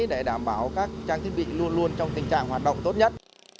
để đảm bảo các trang thiết bị luôn luôn trong tình trạng hoạt động tốt nhất